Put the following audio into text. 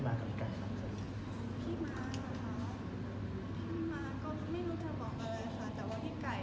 ก็เรื่องถึงว่าเหมือนเราก็โตขึ้นอีกนิดนึงค่ะ